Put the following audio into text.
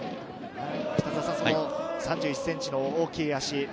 ３１ｃｍの大きい足。